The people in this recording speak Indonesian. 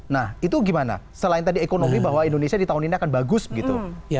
nah itu gimana selain tadi ekonomi bahwa indonesia di tahun ini akan bagus begitu